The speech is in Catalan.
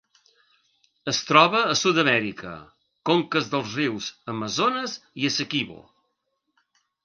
Es troba a Sud-amèrica: conques dels rius Amazones i Essequibo.